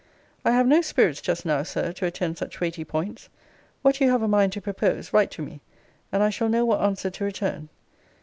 I have no spirits, just now, Sir, to attend such weighty points. What you have a mind to propose, write to me: and I shall know what answer to return.